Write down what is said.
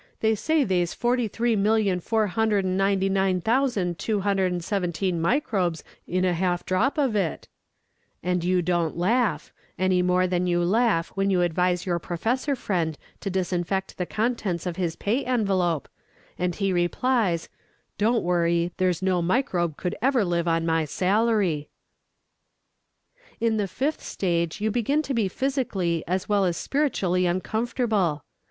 They say they's forty three million four hundred an' ninety nine thousand two hundred an' seventeen microbes in a half a drop of it" and you don't laugh, any more than you laugh when you advise your professor friend to disinfect the contents of his pay envelope, and he replies, "Don't worry there's no microbe could ever live on my salary!" In the fifth stage you begin to be physically as well as spiritually uncomfortable.